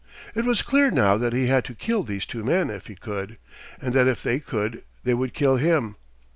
It was clear now that he had to kill these two men if he could, and that if they could, they would kill him.